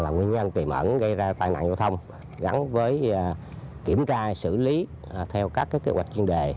nguyên nhân tiềm ẩn gây ra tai nạn giao thông gắn với kiểm tra xử lý theo các kế hoạch chuyên đề